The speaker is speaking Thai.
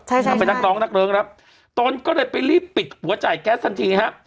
ใช่นางไปนักร้องนักเลิงครับตนก็เลยไปรีบปิดหัวจ่ายแก๊สทันทีฮะ